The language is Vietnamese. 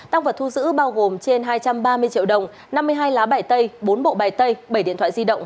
tăng vật thu giữ bao gồm trên hai trăm ba mươi triệu đồng năm mươi hai lá bài tay bốn bộ bài tay bảy điện thoại di động